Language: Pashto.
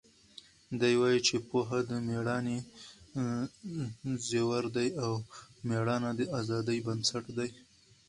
دی وایي چې پوهه د مېړانې زیور دی او مېړانه د ازادۍ بنسټ دی.